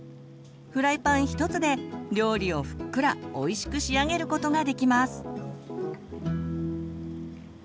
フライパン１つで料理をふっくらおいしく仕上げることができます。